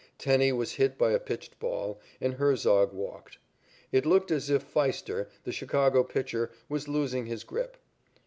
Tenney was hit by a pitched ball, and Herzog walked. It looked as if Pfeister, the Chicago pitcher, was losing his grip.